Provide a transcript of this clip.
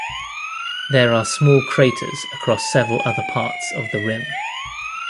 There are small craters across several other parts of the rim.